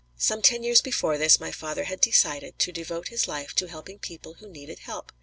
Some ten years before this my father had decided to devote his life to helping people who needed help.